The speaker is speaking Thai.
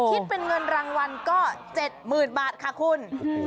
คิดเป็นเงินรางวัลก็๗๐๐๐บาทค่ะคุณ